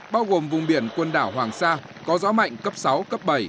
bao gồm vùng biển quần đảo hoàng sa có gió mạnh cấp sáu cấp bảy